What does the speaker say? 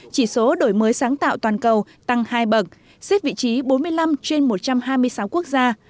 chỉ số đổi mới sáng tạo toàn cầu tăng hai bậc xếp vị trí bốn mươi năm trên một trăm hai mươi sáu quốc gia